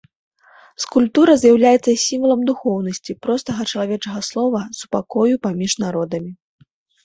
Скульптура з'яўляецца сімвалам духоўнасці, простага чалавечага слова, супакою паміж народамі.